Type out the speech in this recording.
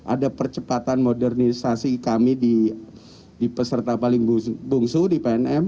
ada percepatan modernisasi kami di peserta paling bungsu di pnm